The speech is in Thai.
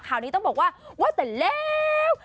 ข่าวนี้ต้องบอกว่าว่าเสร็จแล้ว